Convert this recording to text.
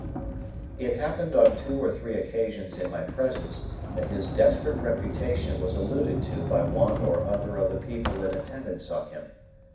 It happened on two or three occasions in my presence, that his desperate reputation was alluded to by one or other of the people in attendance on him.